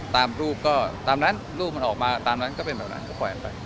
ตามรูปก็ตามนั้นรูปมันออกมาตามนั้นก็เป็นแบบนั้นก็แขวนไป